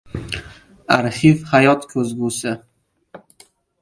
Arxiv – hayot ko‘zgusi